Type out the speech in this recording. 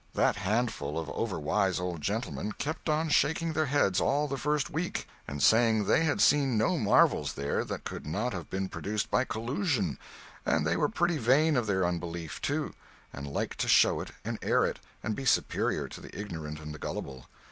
That handful of overwise old gentlemen kept on shaking their heads all the first week, and saying they had seen no marvels there that could not have been produced by collusion; and they were pretty vain of their unbelief, too, and liked to show it and air it, and be superior to the ignorant and the gullible.